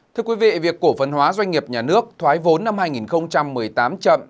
thưa quý vị việc cổ phân hóa doanh nghiệp nhà nước thoái vốn năm hai nghìn một mươi tám chậm